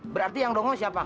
berarti yang dongol siapa